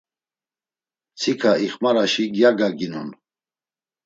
Mtsika ixmaraşi gyagaginon.